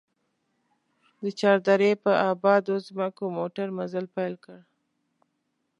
د چار درې په ابادو ځمکو موټر مزل پيل کړ.